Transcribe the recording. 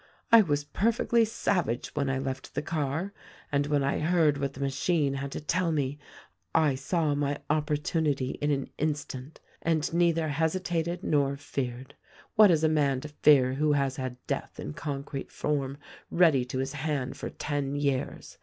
I was perfectly savage when I left the car; and when I heard what the machine had to tell me I saw my opportunity in an instant, — and neither hesitated nor feared. What has a man to fear who has had death in con crete form ready to his hand for ten years.